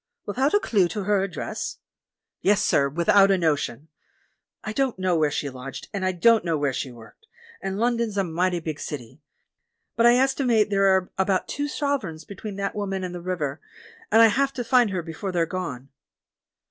"Without a clue to her address?" *'Yes, sir^ without a notion. I don't know where she lodged, and I don't know where she worked, and London's a mighty big city; but I estimate there are about two sovereigns between that woman and the river, and I have to find her before they're gone."